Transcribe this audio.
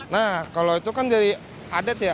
nah kalau itu kan jadi ada dia